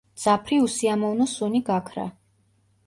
მძაფრი უსიამოვნო სუნი გაქრა.